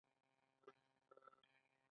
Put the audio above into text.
د ارادې لپاره څه شی اړین دی؟